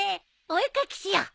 お絵描きしよう。